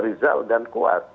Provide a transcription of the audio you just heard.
rizal dan kuat